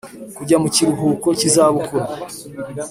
kujya mu kiruhuko cy’izabukuru